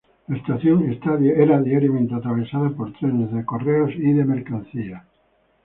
La estación era diariamente atravesada por trenes de correos y mercancías.